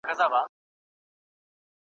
لکه جنډۍ د شهید قبر د سر `